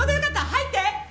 入って。